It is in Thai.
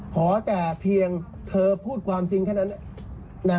เพราะแต่เพียงเธอพูดความจริงแค่นั้น